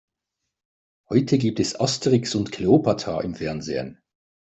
Heute gibt es Asterix und Kleopatra im Fernsehen.